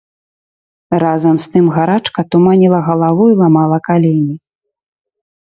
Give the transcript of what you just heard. Разам з тым гарачка туманіла галаву і ламала калені.